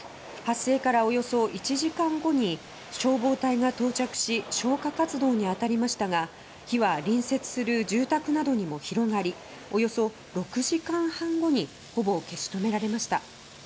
発生からおよそ１時間後に消防隊が到着し消火活動に当たりましたが火は隣接する住宅などにも広がりおよそ６時間半後にほぼ消し止められました。